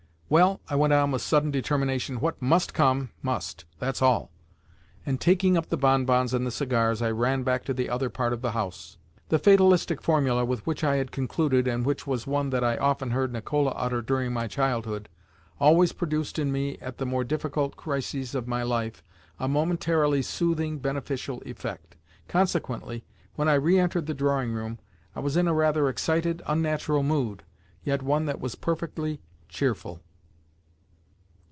"Well," I went on with sudden determination, "what must come, must—that's all;" and, taking up the bonbons and the cigars, I ran back to the other part of the house. The fatalistic formula with which I had concluded (and which was one that I often heard Nicola utter during my childhood) always produced in me, at the more difficult crises of my life, a momentarily soothing, beneficial effect. Consequently, when I re entered the drawing room, I was in a rather excited, unnatural mood, yet one that was perfectly cheerful.